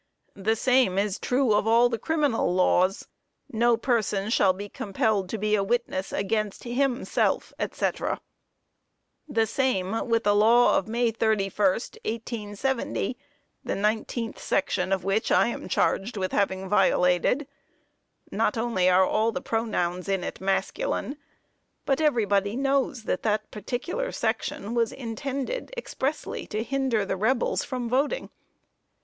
The same is true of all the criminal laws: "No person shall be compelled to be a witness against himself, &c." The same with the law of May 31st, 1870, the 19th section of which I am charged with having violated; not only are all the pronouns in it masculine, but everybody knows that that particular section was intended expressly to hinder the rebels from voting.